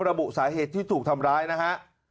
ระบุสาเหตุที่ถูกทำร้ายนะฮะ